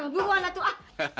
buruan lah tuh